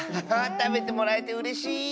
たべてもらえてうれしい。